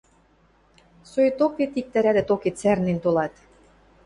Соикток вет иктӓ рӓдӹ токет сӓрнен толат!..